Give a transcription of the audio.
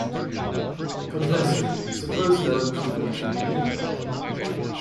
Conversely, suppose no improvement can be made.